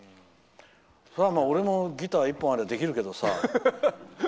まあ、俺もギター１本あったらできるけどさ。